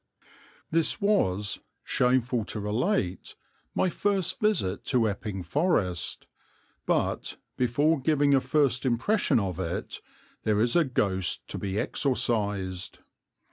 This was, shameful to relate, my first visit to Epping Forest, but, before giving a first impression of it, there is a ghost to be exorcised.